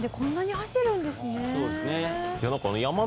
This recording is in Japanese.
そうですね。